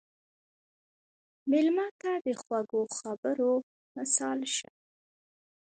مېلمه ته د خوږو خبرو مثال شه.